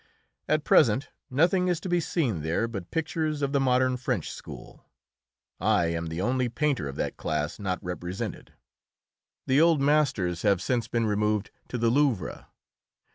At present nothing is to be seen there but pictures of the modern French school. I am the only painter of that class not represented. The old masters have since been removed to the Louvre.